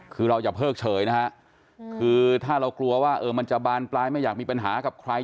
คือเราอย่าเพิ่งเฉยนะฮะคือถ้าเรากลัวว่ามันจะบานปลายไม่อยากมีปัญหากับใคร